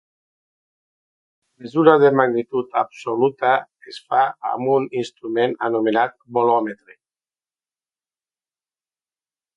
La mesura de magnitud absoluta es fa amb un instrument anomenat bolòmetre.